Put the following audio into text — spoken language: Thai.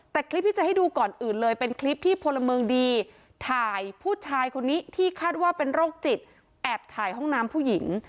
แต่คลิปที่จะให้ดูก่อนอื่นเลยเป็นคลิปที่พลเมืองดีถ่ายผู้ชายคนนี้ที่คาดว่าเป็นโรคจิตแอบถ่ายห้องน้ำผู้หญิง